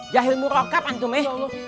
jahil murokab antum eh